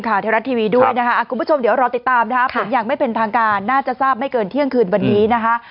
คุณผู้ชมเดี๋ยวรอติดตามนะครับตรงอย่างไม่เป็นทางการน่าจะทราบไม่เกินเที่ยงคืนวันนี้นะฮะ